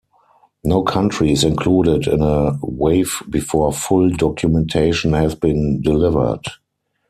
No country is included in a wave before full documentation has been delivered.